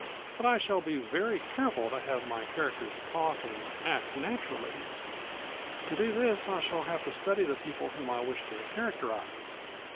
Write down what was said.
But I shall be very careful to have my characters talk and act naturally. To do this I shall have to study the people whom I wish to characterize."